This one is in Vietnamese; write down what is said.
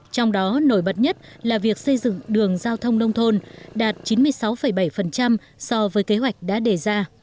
trong đó nổi bật nhất là việc xây dựng đường giao thông nông thôn đạt chín mươi sáu bảy so với kế hoạch đã đề ra